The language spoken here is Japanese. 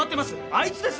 あいつです！